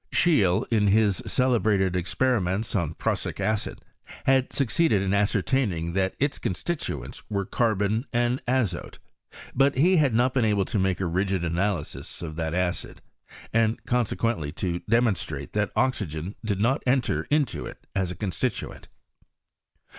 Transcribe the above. Scheele, in his celebrated experiments on prussic ac!d, had succeeded in ascertaining that its constituents were carbon and azote ; but be had not been able to make a rigid analysis of that acid, and consequently to demonstrate that oxygen did not enter into it as a constituent.